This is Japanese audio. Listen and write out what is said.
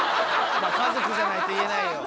まぁ家族じゃないと言えないよ。